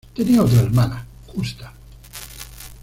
Tenía otra hermana, Justa.